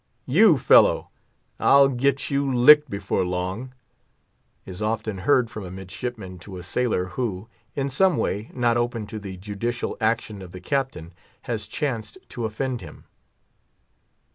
"You fellow, I'll get you licked before long," is often heard from a midshipman to a sailor who, in some way not open to the judicial action of the Captain, has chanced to offend him.